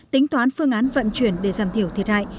tính toán phương án vận chuyển để giảm thiểu thiệt hại